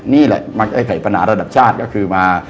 นี่แหละมาแก้ไขปัญหาระดับชาติก็คือมา